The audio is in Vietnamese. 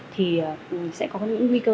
thì sẽ có những nguy cơ